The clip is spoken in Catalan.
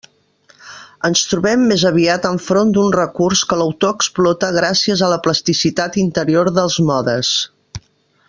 Ens trobem més aviat enfront d'un recurs que l'autor explota gràcies a la plasticitat interior dels modes.